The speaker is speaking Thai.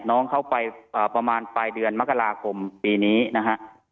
น้องเขาไปประมาณปลายเดือนมกราคมปีนี้นะฮะ